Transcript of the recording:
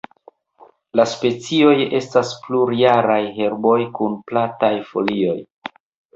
La specioj estas plurjaraj herboj kun plataj folioj.